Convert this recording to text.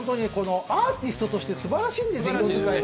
アーティストとしてすばらしいんですよ。